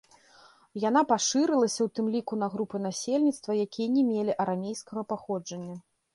Яна пашырылася ў тым ліку на групы насельніцтва, якія не мелі арамейскага паходжання.